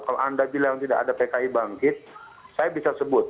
kalau anda bilang tidak ada pki bangkit saya bisa sebut